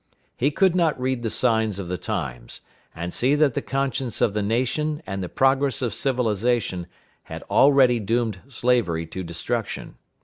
He could not read the signs of the times, and see that the conscience of the nation and the progress of civilization had already doomed slavery to destruction.